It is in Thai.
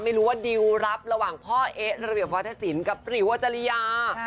ไม่รู้ว่าดิวรับระหว่างพ่อเอ๊ะระเบียบวัฒนศิลป์กับปริ๋วอจริยา